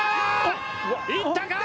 いったか？